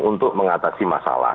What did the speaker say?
untuk mengatasi masalah